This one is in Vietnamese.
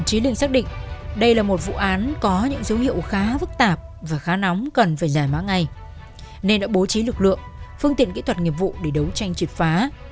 chí đường xác định đây là một vụ án có những dấu hiệu khá phức tạp và khá nóng cần phải giải mã ngay nên đã bố trí lực lượng phương tiện kỹ thuật nghiệp vụ để đấu tranh triệt phá